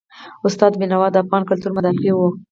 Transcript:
استاد بینوا د افغان کلتور مدافع و.